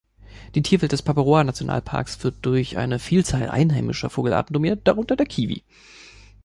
Die Tierwelt des Paparoa-Nationalparks wird durch eine Vielzahl einheimischer Vogelarten dominiert, darunter der Kiwi.